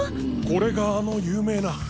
これがあの有名な。